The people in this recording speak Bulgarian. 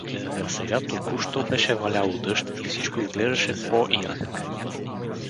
А сега току-що беше валяло дъжд и всичко изглеждаше по-инак.